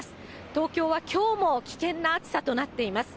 東京はきょうも危険な暑さとなっています。